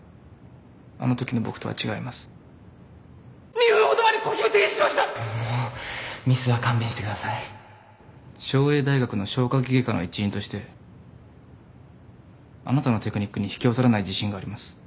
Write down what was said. ２分ほど前に呼吸停止しましもうミスは勘弁してください昭英大学の消化器外科の一員としてあなたのテクニックに引けを取らない自信があります。